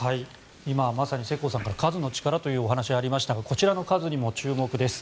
今まさに世耕さんから数の力というお話がありましたがこちらの数にも注目です。